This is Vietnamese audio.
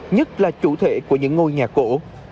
nhất là chủ thể của những ngôi nhà cổ